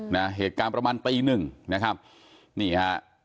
นะเหตุการณ์ประมาณตีหนึ่งนะครับนี่ฮะ